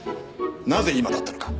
なぜ今だったのか？